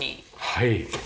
はい。